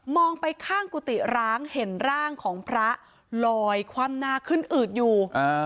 ไปข้างกุฏิร้างเห็นร่างของพระลอยคว่ำหน้าขึ้นอืดอยู่